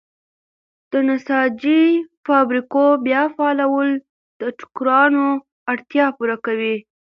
د نساجۍ فابریکو بیا فعالول د ټوکرانو اړتیا پوره کوي.